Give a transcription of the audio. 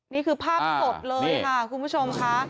นี่คือภาพสดเลยค่ะคุณผู้ชมค่ะ